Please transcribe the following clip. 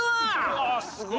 うわすごい。